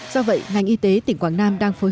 do vậy ngành y tế tỉnh quảng nam đang phối hợp